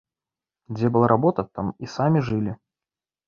Дзе была работа, там і самі жылі.